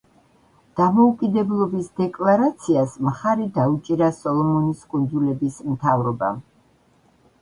დამოუკიდებლობის დეკლარაციას მხარი დაუჭირა სოლომონის კუნძულების მთავრობამ.